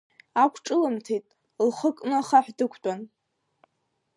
Ақәҿылымҭит, лхы кны ахаҳә дықәтәан.